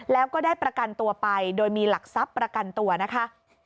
แล้วก็ได้ประกันตัวไปโดยมีหลักทรัพย์ประกันตัวนะคะ